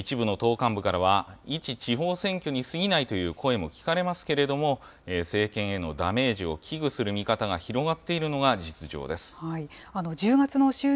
一部の党幹部からは、一地方選挙に過ぎないという声も聞かれますけれども、政権へのダメージを危惧する見方が広がっているのが実情です。